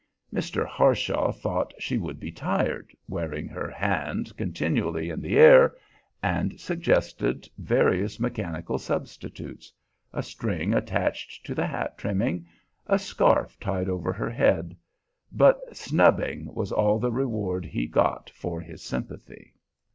Mr. Harshaw thought she would be tired, wearing her hand continually in the air, and suggested various mechanical substitutes, a string attached to the hat trimming, a scarf tied over her head; but a snubbing was all the reward he got for his sympathy.